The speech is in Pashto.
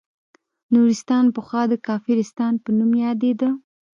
نورستان پخوا د کافرستان په نوم یادیده